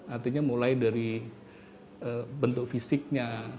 artinya mulai dari bentuk fisiknya